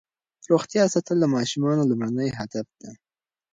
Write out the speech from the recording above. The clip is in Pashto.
روغتیا ساتل د ماشومانو لومړنی هدف دی.